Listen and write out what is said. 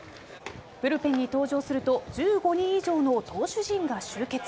ブルペンに登場すると１５人以上の投手陣が集結。